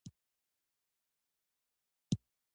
قدرت کشمکشونو سیوري لاندې شوي.